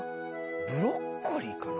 ブロッコリーかな？